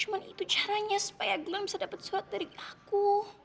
cuman itu caranya supaya glenn bisa dapet surat dari aku